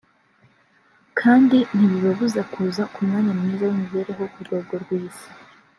kandi ntibibabuza kuza ku mwanya mwiza w’imibereho ku rwego rw’isi”